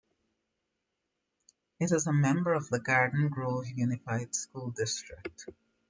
It is a member of the Garden Grove Unified School District.